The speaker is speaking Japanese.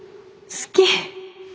好き。